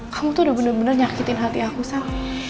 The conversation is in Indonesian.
kamu tuh udah bener bener nyakitin hati aku sih